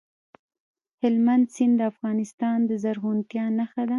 هلمند سیند د افغانستان د زرغونتیا نښه ده.